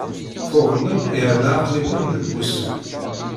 Tuḍnem yerna aql-iken deg wusu.